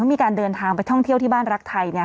มีการเดินทางไปท่องเที่ยวที่บ้านรักไทย